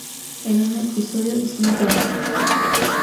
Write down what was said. En un episodio de "SmackDown!